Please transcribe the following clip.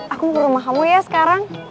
aku ke rumah kamu ya sekarang